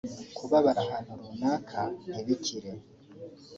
kubabara ahantu runaka ntibikire